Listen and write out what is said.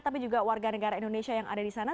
tapi juga warga negara indonesia yang ada di sana